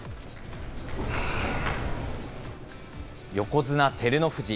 横綱・照ノ富士。